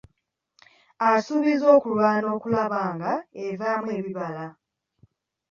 Asuubizza okulwana okulaba ng'evaamu ebibala.